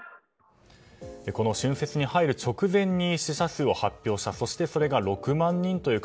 この春節に入る直前に死者数を発表したそして、その数が６万人という数。